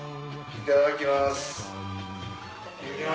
いただきます。